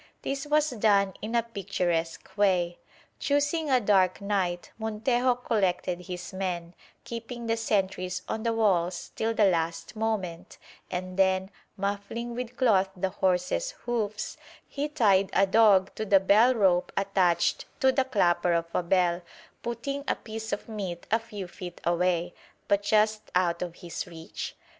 This was done in a picturesque way. Choosing a dark night, Montejo collected his men, keeping the sentries on the walls till the last moment, and then, muffling with cloths the horses' hoofs, he tied a dog to the bell rope attached to the clapper of a bell, putting a piece of meat a few feet away, but just out of his reach.